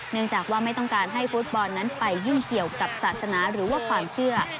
เนื่องจากว่าไม่ต้องการให้ฟุตบอลนั้นไปยุ่งเกี่ยวกับศาสนาหรือว่าความเชื่อ